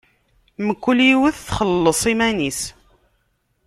Mkul yiwet txelleṣ iman-is.